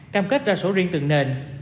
cam kết ra số riêng từng nền